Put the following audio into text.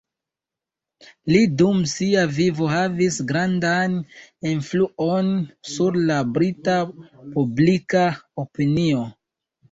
Li dum sia vivo havis grandan influon sur la brita publika opinio.